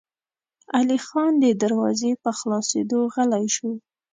علی خان د دروازې په خلاصېدو غلی شو.